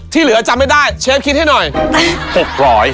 ที่เหลือจำไม่ได้เชฟคิดให้หน่อย